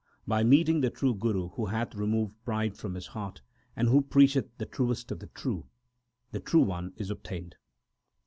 By meeting the true Guru who hath removed pride from his heart, and who preacheth the Truest of the true, The True One is obtained.